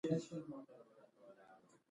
دا د چنګېزي مغولو یو پخوانی او وحشي دود و.